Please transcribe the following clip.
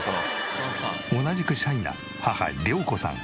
同じくシャイな母良子さん。